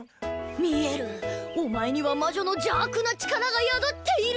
見えるお前には魔女の邪悪な力が宿っている！